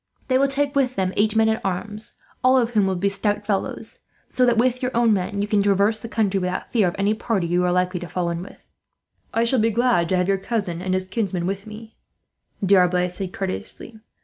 They will take with them eight men at arms, all of whom will be stout fellows; so that, with your own men, you can traverse the country without fear of any party you are likely to fall in with." "I shall be glad to have your cousin and his kinsman with me," D'Arblay said courteously.